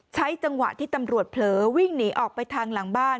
จังหวะที่ตำรวจเผลอวิ่งหนีออกไปทางหลังบ้าน